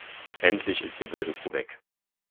Endlich ist die blöde Kuh weg.